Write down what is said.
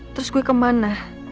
terus gue kemana